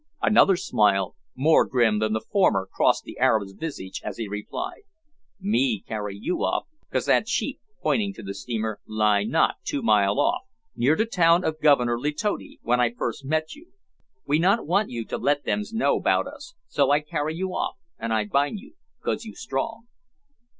Another smile, more grim than the former, crossed the Arab's visage as he replied "Me carry you off 'cause that sheep," pointing to the steamer, "lie not two mile off, near to town of Governor Letotti, when I first met you. We not want you to let thems know 'bout us, so I carry you off, and I bind you 'cause you strong."